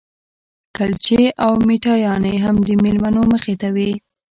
کلچې او میټایانې هم د مېلمنو مخې ته وې.